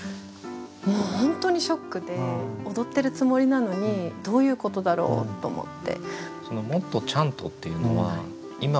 もう本当にショックで踊ってるつもりなのにどういうことだろう？と思って。